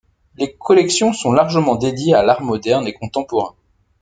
Les collections sont largement dédiées à l'art moderne et contemporain.